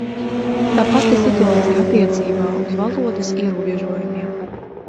Tā pati situācija attiecībā uz valodas ierobežojumiem.